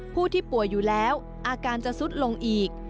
ผู้ที่ป่วยอยู่แล้วอาการจะสุดลงอีก